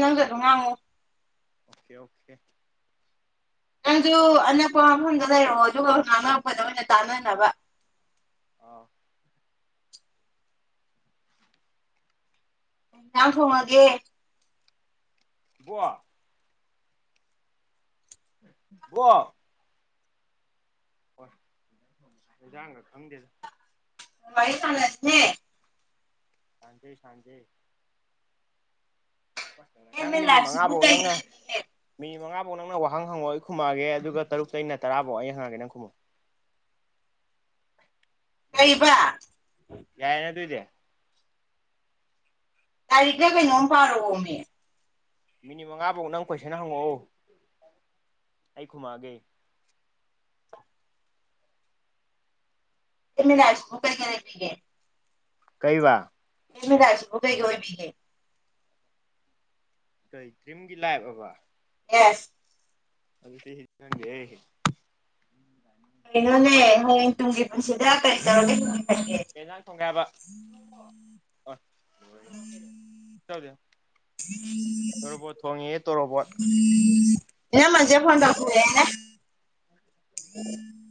ꯅꯪꯖꯗ ꯑꯉꯣ okay okay ꯅꯪꯁꯨ ꯑꯅꯛꯄ ꯃꯐꯝꯗ ꯂꯩꯔꯛꯑꯣ ꯑꯗꯨꯒ ꯑꯅꯛꯄꯗ ꯑꯣꯏꯅ ꯇꯥꯅꯅꯕ ꯑꯥ ꯌꯥꯝ ꯐꯣꯡꯉꯒꯦ ꯉ ꯋꯥ ꯍ ꯑꯗꯨꯗ ꯊꯪꯗꯦꯗ ꯏ ꯐꯅꯁꯅꯦ ꯍꯥꯡꯖꯦ ꯁꯥꯡꯖꯦ ꯑꯦꯝ ꯅꯪ ꯏꯟ ꯃꯤꯅꯤꯠ ꯃꯉꯥ ꯂꯥꯏꯐꯁꯤꯕꯨ ꯐꯧ ꯀꯩ ꯅꯪꯅ ꯂꯩꯕꯤꯒꯦ ꯃꯤꯅꯤꯠ ꯃꯉꯥ ꯍꯪꯐꯧ ꯅꯪꯅ ꯋꯥꯍꯪ ꯍꯪꯉꯛꯑꯣ ꯑꯩ ꯈꯨꯝꯃꯛꯛꯑꯒꯦ ꯑꯗꯨꯒ ꯇꯔꯨꯛꯇꯩꯩꯅ ꯇꯔꯥꯐꯧ ꯑꯩ ꯍꯪꯉꯛꯒꯦ ꯅꯪ ꯈꯨꯝꯃꯑꯣ ꯀꯩꯕ ꯌꯥꯏꯅ ꯇꯨꯗ ꯇꯔꯤꯛ ꯀꯩꯅꯣꯝ ꯄꯥꯔꯣꯃꯦ ꯃꯤꯅꯤꯃꯝ ꯉꯥꯕꯧ ꯅꯪ ꯄꯩꯁꯥꯅ ꯍꯪꯉꯛꯑꯣ ꯑꯩ ꯈꯨꯃꯥꯒꯦ ꯏꯝꯃꯦ ꯂꯀꯨꯕꯔ ꯀ ꯂꯩꯄꯤꯒꯦ ꯀꯩ ꯋꯥ ꯖꯕꯨ ꯀꯩꯒꯣꯏꯕꯤꯒꯦ ꯀꯇ꯭ꯔꯤꯝꯒꯤ ꯂꯥꯏꯕꯕ ꯌꯦꯁ ꯑꯗꯨ ꯁꯤ ꯍꯒ ꯀꯩꯅꯣꯅꯦ ꯍꯣꯏ ꯇꯨꯡꯒꯤ ꯄꯨꯁꯤꯗ꯭ꯔꯥ ꯀꯔꯤ ꯇꯧꯅꯦ ꯑꯦꯖꯥꯡ ꯊꯣꯡꯒꯥꯏꯕ ꯎꯝ ꯗꯦ ꯇꯣꯔꯣꯕꯣꯠ ꯊꯣꯡꯉ ꯇꯣꯔꯣꯕꯣꯠ ꯏꯅ ꯃꯖꯦ ꯐꯣꯟ ꯇꯥꯛꯥꯛ ꯌꯥꯦꯅ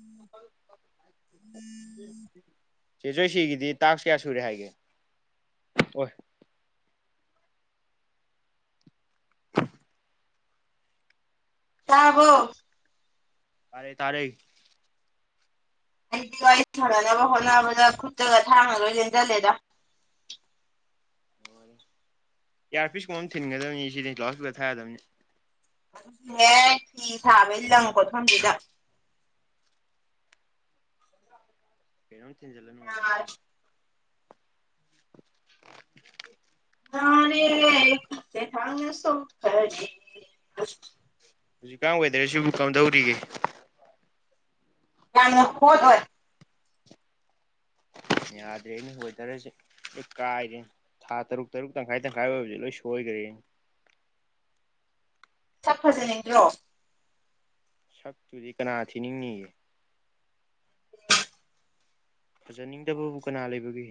[unintelligible] ꯆꯦꯖꯣꯏ ꯁꯤꯒꯤꯗꯤ ꯇꯥꯁ ꯀꯌꯥ ꯁꯨꯔꯦ ꯍꯥꯏꯒꯦ ꯑꯣꯏ ꯇꯥꯕꯔꯣ ꯇꯥꯔꯦ ꯇꯥꯔꯦ ꯑꯩꯅ ꯋꯥꯔꯤ ꯁꯥꯟꯅꯅꯕ ꯍꯣꯠꯅꯕꯗ ꯈꯨꯠꯇꯒ ꯊꯥꯡꯅꯂꯣꯏꯅ ꯂꯦꯟꯁꯤꯜꯂꯦꯗ [inaudible] ꯌꯥꯔꯄꯤꯁ ꯀꯨꯝꯕ ꯑꯃ ꯊꯤꯟꯒꯗꯕꯅꯤ ꯁꯤꯗꯤ ꯀ꯭ꯂꯥꯎ ꯏꯁꯄꯤꯀꯔ ꯊꯥꯌꯥꯗꯕꯅꯤ ꯑꯗꯨ ꯍꯦꯛ ꯐꯤ ꯁꯥꯕꯒꯝ ꯂꯪ ꯀꯣꯠꯐꯝꯁꯤꯗ ꯀꯩꯅꯣꯝ ꯊꯤꯟꯖꯤꯜꯂꯒ ꯅꯨꯡꯉꯥꯏꯒꯗꯕꯅꯦ [unintelligible] [unintelligible] ꯍꯧꯖꯤꯛꯀꯥꯟ ꯋꯦꯗꯔꯖꯤꯕꯨ ꯀꯝꯗꯧꯔꯤꯒꯦ ꯌꯥꯝꯅ ꯍꯣꯠ ꯑꯧ ꯌꯥꯗ꯭ꯔꯦꯅꯦ ꯋꯦꯗꯔꯥꯁꯦ ꯂꯣꯏ ꯀꯥꯏꯔꯦ ꯊꯥ ꯇꯔꯨꯛ ꯇꯔꯨꯛ ꯇꯪꯈꯥꯏ ꯇꯪꯈꯥꯏ ꯑꯣꯏꯕꯖꯦ ꯂꯣꯏ ꯁꯣꯏꯒꯔꯦꯅꯦ ꯁꯛ ꯐꯖꯅꯤꯡꯗ꯭ꯔꯣ ꯁꯛꯇꯨꯗꯤ ꯀꯅꯥ ꯊꯤꯅꯤꯡꯅꯤꯒꯦ ꯐꯖꯅꯤꯡꯗꯕꯕꯨ ꯀꯅꯥ ꯂꯩꯕꯒꯦ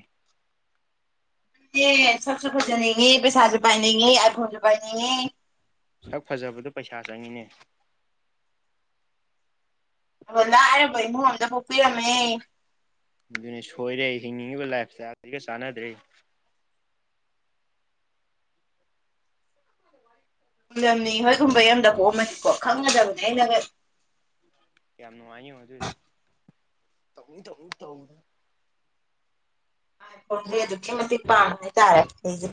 ꯁꯛꯁꯨ ꯐꯖꯅꯤꯡꯏ ꯄꯩꯁꯥꯁꯨ ꯄꯥꯏꯅꯤꯡꯉꯤ ꯑꯥꯏ ꯐꯣꯟꯁꯨ ꯄꯥꯏꯅꯤꯡꯉꯤ ꯁꯛ ꯐꯖꯕꯗ ꯄꯩꯁꯥ ꯆꯪꯉꯤꯅꯦ ꯂꯥꯏꯔꯕ ꯏꯃꯨꯡ ꯑꯃꯗ ꯄꯨꯛꯄꯤꯔꯝꯃꯦ꯫ ꯑꯗꯨꯅꯤ ꯁꯣꯏꯔꯦ ꯍꯤꯡꯅꯤꯡꯉꯤꯕ ꯂꯥꯏꯐ ꯏꯁꯇ ꯑꯁꯤꯒ ꯆꯥꯟꯅꯗ꯭ꯔꯦ ꯈꯗꯝꯅꯤ ꯍꯣꯏꯒꯨꯝꯕ ꯌꯗ ꯄꯣꯑꯝꯃꯅꯤꯀꯣ ꯈꯪꯒꯗꯕꯅꯤ ꯍꯥꯏꯩꯅꯒ ꯌꯥꯝ ꯅꯨꯡꯉꯥꯏꯅꯤ ꯑꯗꯨꯗꯤ ꯇꯧꯅꯤꯡ ꯇꯧꯅꯤꯡ ꯇꯧ ꯗꯤ ꯑꯗꯨꯛꯀꯤ ꯃꯇꯤꯛ ꯄꯥꯃꯦ ꯍꯥꯏꯇꯥꯔꯦ ꯑꯩꯁꯦ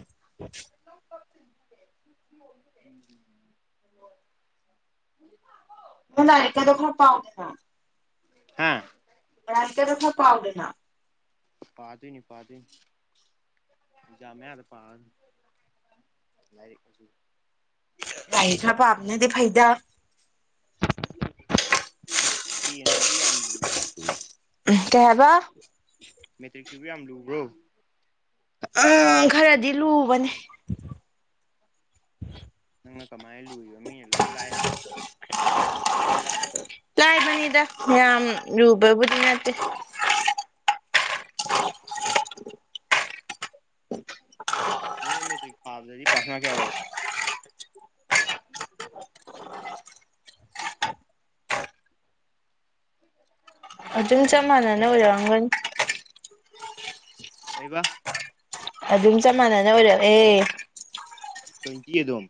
[inaudible] ꯂꯥꯏꯔꯤꯛꯀꯗꯣ ꯈꯔ ꯄꯥꯎꯗꯅ ꯍꯥ ꯂꯥꯏꯔꯤꯛ ꯀꯗꯣ ꯈꯔ ꯄꯥꯎꯗꯅ ꯄꯥꯗꯣꯏꯅꯤ ꯄꯥꯗꯣꯏꯅꯤ ꯑꯦꯛꯖꯥꯝ ꯃꯌꯥꯗ ꯄꯥꯗꯣꯏꯅꯦ꯫ ꯂꯥꯏꯔꯤꯛ ꯂꯥꯏꯔꯤꯛ ꯈꯔ ꯄꯥꯕꯅꯗꯤ ꯐꯩꯗ ꯇꯦꯟꯖꯤꯕꯨ ꯌꯥꯝ ꯂꯨꯕ꯭ꯔ ꯀꯩ ꯍꯥꯏꯕ ꯇꯦꯟꯖꯤꯕꯣ ꯌꯥꯝ ꯂꯨꯕꯔꯣ ꯎꯝ ꯈꯔꯗꯤ ꯂꯨꯕꯅꯦ ꯅꯪꯅ ꯀꯃꯥꯏꯅ ꯂꯨꯔꯤꯕ ꯃꯤꯅ ꯂꯣꯏ ꯂꯥꯏ ꯍꯥꯏ ꯂꯥꯏꯕꯅꯤꯗ ꯌꯥꯝ ꯔꯨꯕꯕꯨꯗꯤ ꯅꯠꯇꯦ [unintelligible] ꯅꯣꯏ ꯃꯦꯇ꯭ꯔꯤ ꯊꯥꯕꯗꯗꯤ ꯄꯥꯁꯅ ꯃꯥꯛ ꯀꯌꯥ ꯑꯣꯏ [inaudible] ꯑꯗꯨꯝ ꯆꯞ ꯃꯥꯟꯅꯅ ꯑꯣꯏꯔꯝꯒꯅꯤ ꯀꯩꯕ ꯑꯗꯨꯝ ꯆꯞꯃꯥꯟꯅꯅ ꯑꯣꯏꯔꯛ ꯑꯦ ꯇꯋꯣꯏꯇꯤ ꯑꯗꯨꯝ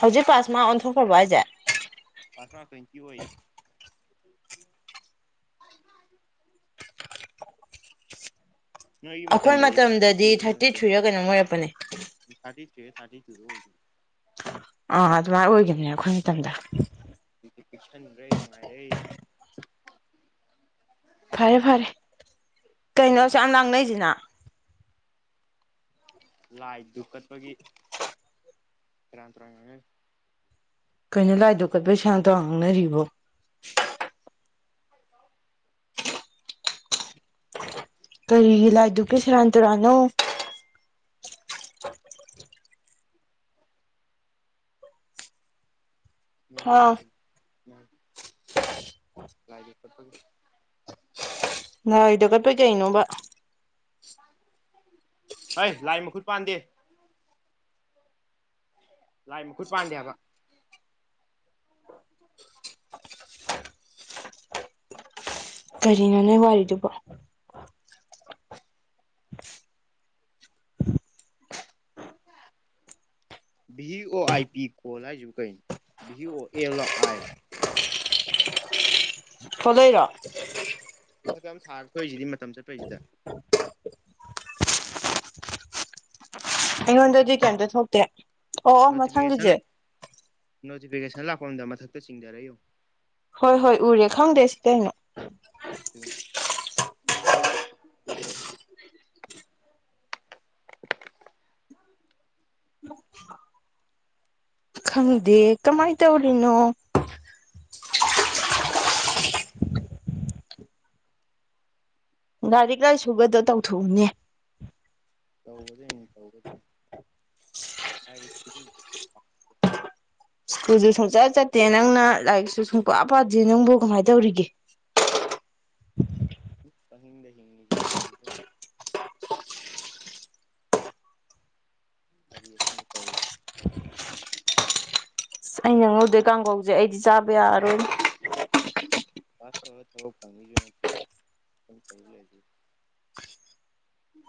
ꯍꯧꯖꯤꯛ ꯄꯥꯁꯃꯥ ꯑꯣꯟꯊꯣꯛꯈꯔꯕꯣ ꯍꯥꯏꯖꯦ ꯄꯥꯁ ꯃꯥꯛ ꯇꯋꯦꯟꯇꯤ ꯑꯣꯏꯌꯦ [inaudible] ꯑꯩꯈꯣꯏ ꯊꯥꯔꯇꯤ ꯃꯇꯝꯗꯗꯤ ꯇꯨꯔ ꯀꯩꯅꯣ ꯊꯥꯔꯇꯤ ꯊ꯭ꯔꯤꯔ ꯀꯩꯅꯣꯝ ꯑꯣꯏꯔꯛꯄꯅꯦ [unintelligible] ꯑꯣꯏꯒ ꯑ ꯑꯗꯨꯃꯥꯏ ꯑꯣꯏꯒꯤꯅꯦ ꯑꯩꯈꯣꯢ ꯃꯇꯝꯗ ꯄꯤꯛꯁꯟꯒ꯭ꯔꯦ ꯅꯨꯡꯉꯥꯏꯔꯦ ꯐꯔꯦ ꯐꯔꯦ ꯀꯩꯅꯣꯁꯨ ꯌꯥꯝ ꯂꯥꯡꯅꯩꯁꯤꯅ ꯂꯥꯏ ꯗꯨꯛꯀꯠꯄꯒꯤ ꯇꯔꯥꯥꯟ ꯇ꯭ꯔ ꯀꯩꯅꯣ ꯂꯥꯏ ꯗꯨꯛꯀꯠꯄꯒꯤ ꯁꯦꯔꯥꯟ ꯇꯨꯔꯥꯟ ꯉꯥꯡꯅꯔꯤꯕꯨ ꯀꯔꯤ ꯂꯥꯏꯗꯨꯒꯦ ꯁꯔꯥꯟ ꯇꯨꯔꯥꯟꯅꯣ ꯃ‌ꯣꯏ ꯑꯥ ꯂꯥꯏꯗꯨ ꯃ‌ꯣꯏ ꯂꯥꯏꯗꯨ ꯈꯪꯗ‌ꯦ [unintelligible] [unintelligible] ꯀꯠꯄꯩ ꯀꯩꯅꯣꯕ ꯍꯩ ꯂꯥꯏ ꯃꯈꯨꯠ ꯄꯥꯟꯗꯦ ꯂꯥꯏ ꯃꯈꯨꯠ ꯄꯥꯟꯗꯦ ꯍꯥꯏꯕ ꯀꯔꯤꯅ‌ꯣꯅꯦ ꯋꯥꯔꯤꯗꯨꯕꯣ [unintelligible] ꯚꯤ ꯑꯦ ꯑꯣ ꯑꯥꯏ ꯄꯤ ꯀꯣꯜ ꯍꯥꯏꯁꯤꯕꯨ ꯀꯩꯅ‌ꯣ ꯚꯤ ꯑ‌ꯣ ꯑꯦꯜ ꯂ‌ꯣ ꯑꯥꯏ ꯔ‌ꯣ ꯊ‌ꯣꯂꯩꯔ‌ꯣ ꯃꯊꯛ ꯑꯃ ꯊꯥ ꯊꯣꯛꯏꯁꯤꯗꯤ ꯃꯇꯝ ꯆꯠꯄꯩꯁꯤꯗ ꯑꯩꯉꯣꯟꯗꯗꯤ ꯀꯩꯝꯇ ꯊꯣꯛꯇꯦ ꯑꯣ ꯑꯣ ꯅꯣꯇꯤꯐꯤꯀꯦꯁꯟ ꯃꯊꯪꯒꯤꯁꯦ ꯅꯣꯇꯤꯐꯤꯀꯦꯁꯟ ꯂꯥꯛꯄꯝꯗ ꯃꯊꯛꯇ ꯆꯤꯡꯗꯔ ꯌꯦꯡꯎ ꯍꯣꯏ ꯍꯣꯏ ꯎꯔꯦ ꯈꯪꯗꯦ ꯁꯤꯀꯩꯅꯣ ꯎꯝ [unintelligible] ꯈꯪꯗꯦ ꯀꯃꯥꯏꯅ ꯇꯧꯔꯤꯅꯣ ꯂꯥꯏꯔꯤꯛ ꯂꯥꯏꯔꯤꯁꯨꯨꯒꯗꯣ ꯇꯧꯊꯣꯛꯎꯅꯦ ꯇꯧꯒꯗꯣꯏꯅꯤ ꯇꯧꯒꯗꯣꯏꯅꯤ ꯂꯥꯏꯔꯤꯛꯁꯤꯗꯤ ꯁ꯭ꯀꯨꯜꯁꯨ ꯁꯨꯡꯆꯠ ꯆꯠꯇꯦ ꯅꯪꯅ ꯂꯥꯏꯔꯤꯛꯁꯨ ꯁꯨꯡ ꯄ ꯄꯥꯗꯦ ꯅꯪꯕꯨ ꯀꯃꯥꯏꯅ ꯇꯧꯔꯤꯒꯦ [inaudible] [unintelligible] ꯍꯤꯡꯉꯤꯁꯤꯅꯤ [unintelligible] [unintelligible] ꯉꯧꯗ‌ꯣꯏ ꯀꯥꯡꯈꯧꯁꯦ ꯑꯩꯗꯤ ꯆꯥꯕ ꯌꯥꯔꯔꯣꯏ ꯄꯥꯁ ꯇꯧꯔ ꯇꯧꯔ ꯐꯅꯤ ꯒ ꯍꯥꯏꯔꯛꯇ‌ꯦ ꯃꯊꯪ ꯆꯍꯤ ꯂꯩꯔꯤ ꯎꯝ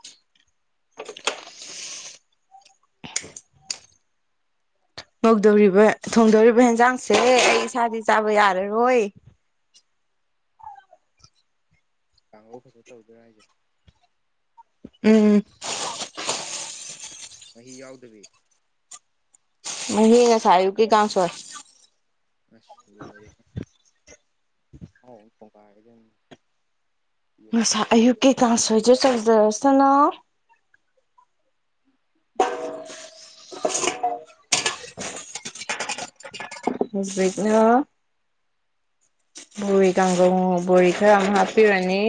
ꯉꯧꯗꯧꯔꯤꯕ ꯊꯣꯡꯗꯧꯔꯤꯕ ꯍꯦꯟꯖꯥꯡꯁꯦ ꯑꯩ ꯏꯁꯥꯗꯤ ꯆꯥꯕ ꯌꯥꯔꯔꯣꯏ ꯀꯥꯡꯕꯨ ꯐꯖ ꯇꯧꯗꯣꯏꯔ ꯍꯥꯏꯁꯦ ꯎꯝ ꯃꯍꯤ ꯌꯥꯎꯗꯕꯤ ꯃꯍꯤ ꯉꯁꯥꯏ ꯑꯌꯨꯛꯀꯤ ꯀꯥꯡꯁ‌ꯣꯏ ꯑꯁ ꯂ‌ꯣꯏꯔ‌ꯦꯍ‌ꯦ ꯑꯍꯥꯎ ꯑꯃ ꯊ‌ꯣꯡꯒꯥꯏꯔꯗꯧꯅ ꯉꯁꯥꯏ ꯑꯌꯨꯛꯀꯤ ꯀꯥꯡꯁꯣꯏꯗꯨ ꯁꯧꯖꯔꯁꯅ‌ꯣ [unintelligible] [unintelligible] ꯀꯥꯡꯒꯧ ꯕꯣꯔꯤ ꯈꯔ ꯑꯃ ꯍꯥꯞꯄꯤꯔꯅꯤ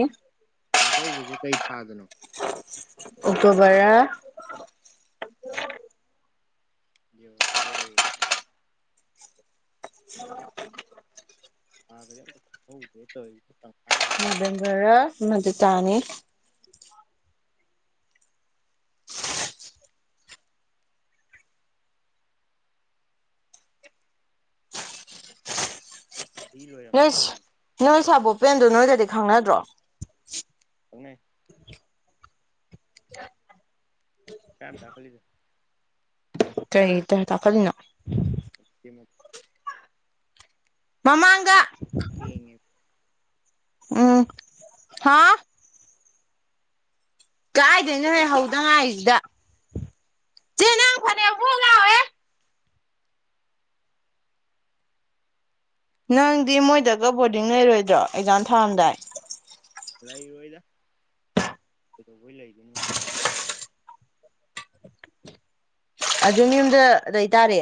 ꯆꯥꯛꯀꯧꯕꯁꯤ ꯀꯩ ꯊꯥꯗꯅꯣ ꯑꯣꯛꯇ‌ꯣꯕꯔ ꯌꯧꯔꯛꯀꯗꯧꯔꯦ ꯊꯥ ꯒꯥꯁꯤ ꯑꯃꯇ ꯈꯪꯍꯧꯗ꯭ꯔ‌ꯦ ꯇꯧꯏ ꯍꯧꯖꯤꯛꯀꯥꯟꯁꯤ ꯅꯕꯦꯝꯕꯔ ꯔ ꯃꯗꯨꯇꯥꯅꯤ ꯆꯍꯤ ꯅꯣꯏ ꯂꯣꯏꯔꯝꯗꯣꯔꯦꯅꯦ ꯅꯣꯏ ꯁꯥꯕꯣ ꯄꯦꯟꯗꯣ ꯅꯣꯏꯒꯗꯤ ꯈꯪꯅꯗ꯭ꯔꯣ ꯈꯪꯅꯩ [unintelligible] ꯀꯌꯥꯝ ꯊꯥꯀꯂꯤꯗ ꯀꯔꯤ ꯇꯨꯝ ꯇꯥꯈꯠꯂꯤꯅꯣ ꯀꯤꯝ ꯃꯃꯥꯡꯗ ꯇꯦꯡꯉꯦ ꯎꯝ ꯍꯥ ꯀꯥꯏꯗꯩꯅꯣ ꯍ‌ꯦ ꯍꯧꯗ ꯉꯥꯏꯔꯤꯗ ꯌꯥꯝ ꯐꯔꯣꯂꯑꯣꯦ ꯅꯪꯗꯤ ꯃꯣꯏꯗꯒ ꯕꯣꯔꯗꯤꯡ ꯂꯩꯔꯣꯏꯗ꯭ꯔꯣ ꯑꯦꯛꯖꯥꯝ ꯊꯥꯔꯝꯗꯥꯏ ꯂꯩꯔꯣꯏꯗ ꯀꯩꯗꯧꯕ ꯂꯩꯗꯣꯏꯅ ꯃꯥ ꯉꯂ ꯑꯗꯨ ꯌꯨꯝꯗ ꯑꯗꯨꯏꯇꯥꯔꯦ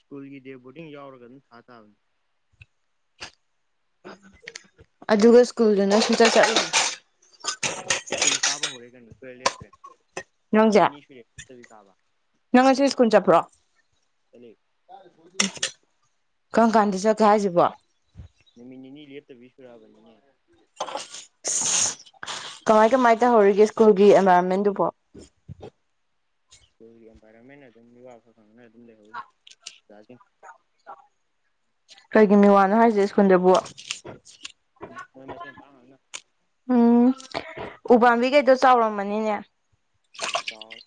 ꯁ꯭ꯀꯨꯜꯒꯤ ꯗꯦ ꯕꯣꯔꯗꯤꯡ ꯌꯥꯎꯔꯒ ꯑꯗꯨꯝ ꯊꯥ ꯇꯥꯕꯅꯤ ꯑꯗꯨꯒ ꯁ꯭ꯀꯨꯜꯗꯨꯅꯁꯨ ꯆꯠꯊꯂ ꯐꯨ ꯁꯥꯥꯕ ꯍꯧꯔꯦ ꯀ ꯇ ꯂꯦ ꯐꯔꯦ ꯅꯪꯁꯦ ꯅꯃꯤꯅꯤꯅꯤꯦ ꯇ ꯀꯥꯕ ꯀꯨꯟ ꯆꯠꯄ꯭ꯔꯣ ꯆꯠꯂꯦ ꯀꯔꯝ ꯀꯥꯟꯗ ꯆꯠꯀꯦ ꯍꯥꯏꯁꯤꯕꯣ ꯃꯤ ꯅꯅꯤ ꯂꯦꯠꯇꯕꯤꯁꯨꯔꯕꯅꯤꯦ ꯀꯃꯥꯏ ꯀꯃꯥꯏ ꯇꯧꯍꯧꯔꯤꯒꯦ ꯁ꯭ꯀꯨꯜꯒꯤ ꯑꯦꯟꯚꯥꯏꯔꯣꯟꯃꯦꯟꯗꯨꯕꯣ ꯁ꯭ꯀꯨꯜꯒꯤ ꯑꯦꯟꯚꯥꯏꯔꯣꯟꯃꯟꯅ ꯑꯗꯨꯝ ꯋꯥ ꯈ ꯈꯪꯅ ꯑꯗꯨꯝ ꯂꯩꯍꯧꯋꯤ [unintelligible] ꯑꯩꯈꯒꯤ ꯃꯤ ꯋꯥꯅꯣ ꯍꯥꯏꯁꯦ ꯁ꯭ꯀꯨꯜꯗꯕꯨ ꯣꯏ ꯃꯁ ꯄ ꯎꯝ ꯎꯄꯥꯝꯕꯤꯈꯩꯗꯣ ꯆꯥꯎꯔꯝꯃꯅꯤꯅꯦ ꯆꯥꯎ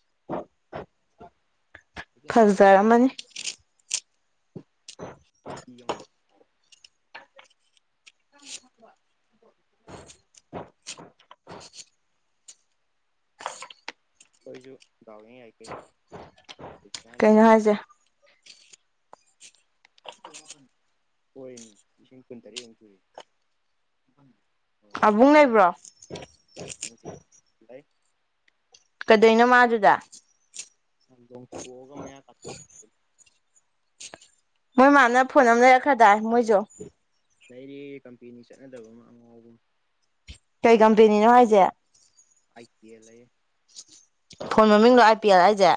[inaudible] [unintelligible] ꯐꯖꯖꯥꯔꯝꯃꯅꯤ ꯀꯨꯀꯤꯒ ꯃꯥꯜꯂꯤ [unintelligible] ꯑꯩꯈ‌ꯣꯏꯁꯨ ꯗꯥꯎ ꯌ‌ꯦꯡ ꯌꯥꯏ ꯀꯩꯅ‌ꯣ ꯍꯧꯖꯤꯛꯀꯥꯟ ꯅꯨꯄꯥ ꯀꯩꯅꯣ ꯍꯥꯏꯁꯦ ꯍꯣꯏꯅꯦ ꯂꯤꯁꯤꯡ ꯀꯨꯟꯇꯔꯦꯠ ꯌꯨꯛ ꯁꯨꯔꯤ ꯑꯕꯨꯡ ꯂꯩꯕ꯭ꯔꯣ ꯥꯏ ꯑꯗꯨꯗꯩꯅꯣ ꯃꯥ ꯑꯗꯨꯗ ꯑ ꯍꯒꯃꯦꯌꯥꯝ ꯀ ꯃꯣꯏꯃꯅ ꯐꯣꯟ ꯑꯃ ꯂꯩꯔꯛꯈ꯭ꯔꯗꯥꯏ ꯃꯣꯏꯁꯨ ꯂꯩꯔꯤ ꯀꯝꯄꯦꯅꯤ ꯆꯠꯅꯗꯕ ꯑꯃ ꯑꯉꯥꯎꯕꯨꯝ ꯀꯩ ꯀꯝꯄꯦꯅꯤꯅꯣ ꯍꯥꯏꯁꯦ ꯌꯦ ꯂꯩꯌꯦꯦ ꯐꯣꯟ ꯃꯃꯤꯡꯗꯣ ꯑꯥꯏ ꯄꯤ ꯑꯦꯜ ꯍꯥꯏꯁꯦ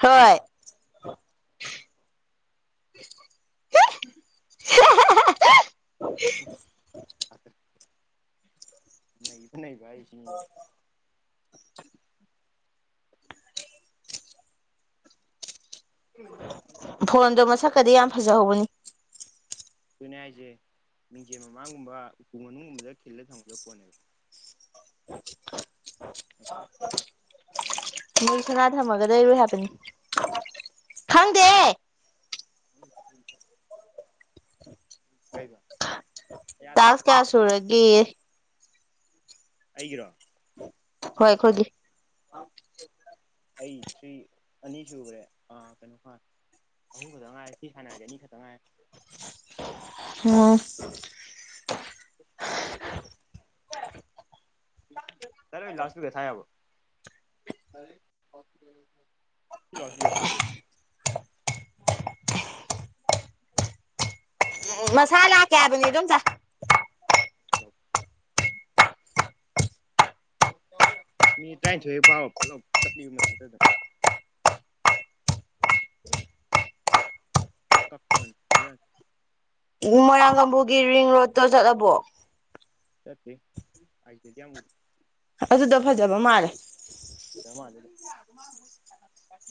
ꯍꯣꯏ [unintelligible] [unintelligible] ꯅ ꯏꯗꯤ ꯅ ꯏ ꯁꯤ ꯀ ꯀꯗꯤ ꯌꯥꯝ ꯐꯖꯍꯧꯕꯅꯤ ꯑꯩꯣꯏꯅꯦ ꯍꯥꯏꯁꯦ ꯃꯤꯡꯖꯦ ꯃꯃꯥꯡꯒꯨꯝꯕ ꯎꯄꯨ ꯃꯅꯨꯡꯒꯨꯝꯕꯗ ꯈꯤꯜꯂ ꯊꯝꯒꯗꯕ ꯄꯣꯠꯅꯦꯕ ꯎ ꯅ ꯁꯅꯥ ꯊꯝꯃꯒ ꯂꯩꯔꯣꯏ ꯍꯥꯏꯕꯅꯤ ꯈꯪꯗꯦ ꯎꯝ ꯎ ꯀꯩꯕ ꯌꯥꯗꯕ ꯇꯥꯁ ꯀꯌꯥ ꯁꯨꯔꯒꯦ ꯑꯩꯒ꯭ꯔꯣ ꯍꯣꯏ ꯑꯩꯈꯣꯏꯒꯤꯦ ꯑꯩ ꯊ꯭ꯔꯤ ꯑꯅꯤ ꯁꯨꯕ꯭ꯔꯦ ꯑꯥ ꯀꯩꯅꯣ ꯐ ꯑꯍꯨꯝ ꯈꯗꯪ ꯉꯉꯔ ꯁꯤ ꯈꯥꯅꯦꯅꯤ ꯈꯇꯉ ꯑꯣ ꯣꯏ ꯆꯔꯦ ꯂꯥꯁꯗꯦ ꯊꯥꯏ ꯑꯕꯣ ꯑꯩ ꯂꯥꯏꯛ ꯏꯁꯄꯤꯀꯔ ꯊꯥꯗ‌ꯦ ꯎꯝ ꯃꯁꯥ ꯂꯥꯛꯀꯦ ꯍꯥꯏꯕꯅꯤ ꯑꯗ‌ꯣꯝꯆꯥ ꯑꯣ ꯃꯤ ꯇ꯭ꯔꯥꯏꯟꯊ‌ꯣꯏ ꯄꯑꯣ ꯄꯠ ꯂꯥꯎ ꯇꯠꯂꯤ ꯃꯊꯟꯇ ꯑꯗꯨꯝ ꯀꯛꯄꯟ ꯕ‌ꯦꯔꯥꯟ ꯃꯣꯏꯔꯥꯡ ꯀꯥꯡꯕꯨꯒꯤ ꯔꯤꯡ ꯔꯣꯗꯠꯇꯣ ꯆꯠꯂꯕꯣ ꯆꯠꯇꯤ ꯍꯥꯏꯗꯦ ꯌꯥꯡꯕꯨ ꯑꯗꯨꯗ ꯐꯖꯕ ꯃꯥꯜꯂꯦ ꯎꯗ [unintelligible]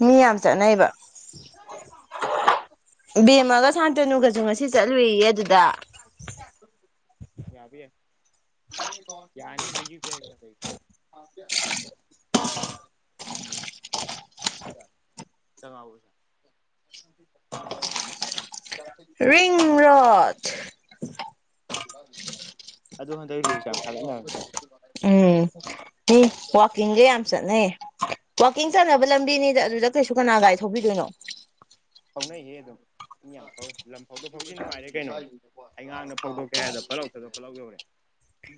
ꯃꯤ ꯌꯥꯝ ꯆꯠꯅꯩꯕ ꯕꯦꯝꯃꯒ ꯁꯥꯟꯇꯅꯨꯒꯁꯨ ꯉꯁꯤ ꯆꯠꯂꯨꯏꯌꯦ ꯑꯗꯨꯗ ꯌꯥꯕꯥ ꯌꯥꯏ ꯌꯥꯅꯤꯕ ꯌꯨ ꯄꯤ ꯑꯩ ꯒꯨꯝꯕ ꯎꯝ ꯆꯂ ꯑꯑꯣ ꯔꯤꯡꯔꯖ ꯑꯗꯨ ꯍꯟꯗꯛ ꯔꯤꯁꯨ ꯊꯥꯒꯠ ꯎꯝ ꯋꯥꯋꯥꯛꯀꯤꯡꯒ ꯌꯥꯝ ꯆꯠꯅꯩꯌꯦ ꯋꯥꯋꯥꯛꯀꯤꯡ ꯆꯥꯟꯅꯕ ꯂꯝꯕꯤꯅꯤ ꯑꯗꯨꯗ ꯀꯩꯁꯨ ꯀꯅꯥ ꯒꯥꯏ ꯊꯧꯕꯤꯗꯣꯏꯅꯣ ꯐꯥꯎꯅꯩꯍꯦ ꯑꯗꯨꯝ ꯏ ꯌꯥꯝ ꯐꯧꯋꯦ ꯂꯝꯐꯥꯎꯗ ꯐꯥꯎꯗꯤ ꯅꯨꯡꯉꯥꯏꯔꯦ ꯀꯩꯅꯣ ꯑꯩꯉꯥꯡꯅ ꯐꯣꯡꯗꯣꯛꯀꯦ ꯍꯥꯏꯗ‌ꯣ ꯐꯠꯂꯥꯎ [unintelligible]